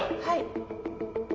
はい。